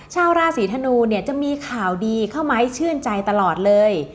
ชาวราศีธนูเนี่ยจะมีข่าวดีเข้ามาให้ชื่นใจตลอดเลย